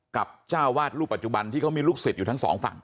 เจ้าวาดรูปปัจจุบันที่เขามีลูกศิษย์อยู่ทั้งสองฝั่ง